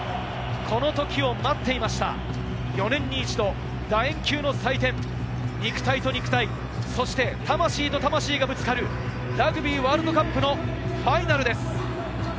このときを待っていました、４年に一度、楕円球の祭典、肉体と肉体、そして魂と魂がぶつかる、ラグビーワールドカップのファイナルです。